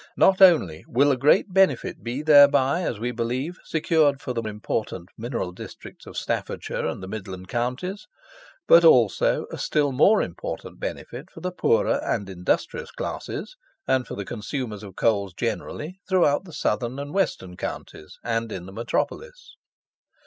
Not only will a great benefit be thereby, as we believe, secured for the important mineral districts of Staffordshire and the Midland Counties, but also a still more important benefit for the poorer and industrious classes, and for the consumers of coals generally throughout the Southern and Western Counties, and in the Metropolis.